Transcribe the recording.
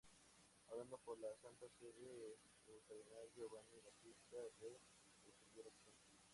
Hablando para la Santa Sede, el cardenal Giovanni Battista Re defendió la acción.